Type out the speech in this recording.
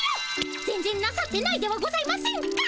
全ぜんなさってないではございませんか。